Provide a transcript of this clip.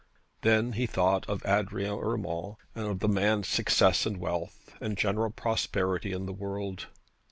Then he thought of Adrian Urmand and of the man's success and wealth, and general prosperity in the world.